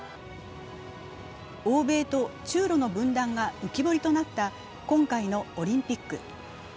欧米と中ロの分断が浮き彫りとなった今回のオリンピック。